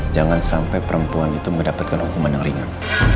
jangan sampai perempuan itu mendapatkan hukuman yang ringan